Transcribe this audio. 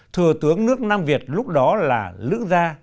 thừa tướng nước nam việt lúc đó là lữ gia